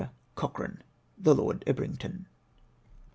Cochrane. " The Lord Ebrington."